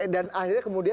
dan akhirnya kemudian